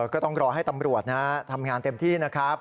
ก็ต้องรอให้ตำรวจทำงานเต็มที่นะครับ